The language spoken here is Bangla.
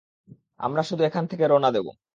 আমরা শুধু এখান থেকে রওনা দেবো।